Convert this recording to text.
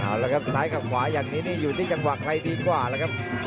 เอาละครับซ้ายกับขวาอย่างนี้นี่อยู่ที่จังหวะใครดีกว่าแล้วครับ